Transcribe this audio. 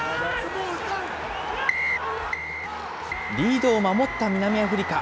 リードを守った南アフリカ。